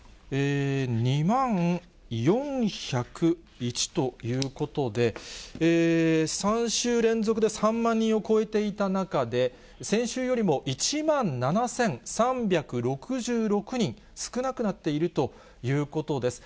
２万４０１ということで、３週連続で３万人を超えていた中で、先週よりも１万７３６６人少なくなっているということです。